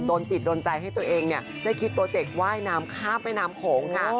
โดนจิตโดนใจให้ตัวเองได้คิดโปรเจคว่ายน้ำข้ามแม่น้ำโขงค่ะ